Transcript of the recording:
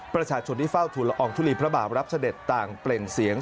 ประชาชนที่เฝ้าทุนละอองทุลีพระบาทรับเสด็จต่างเปล่งเสียง